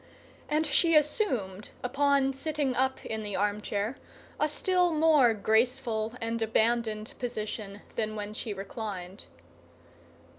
And she assumed, upon sitting up in the armchair, a still more graceful and abandoned position than when she reclined.